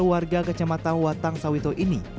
warga kecamatan watang sawito ini